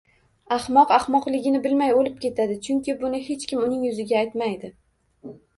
Ahmoq ahmoqligini bilmay o’lib ketadi, chunki buni hech kim uning yuziga aytmaydi.